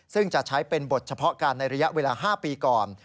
ซึ่งจะใช้เป็นบทเฉพาะการในระยะเวลา๕ปีก่อน